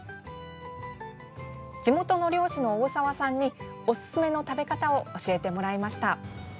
地元の漁師の大澤さんにおすすめの食べ方を教えてもらいました。